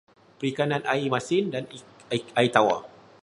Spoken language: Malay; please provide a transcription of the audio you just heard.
Perikanan juga terbahagi kepada dua, iaitu perikanan air masin dan air tawar.